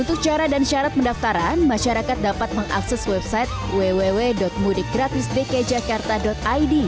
untuk cara dan syarat pendaftaran masyarakat dapat mengakses website www mudikgratisdkijakarta id